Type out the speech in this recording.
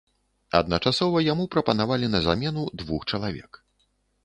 Адначасова яму прапанавалі на замену двух чалавек.